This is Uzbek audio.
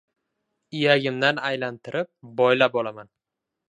Iyagimdan aylantirib, boylab olaman.